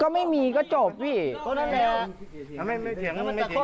ไม่มีก็ไม่เป็นไร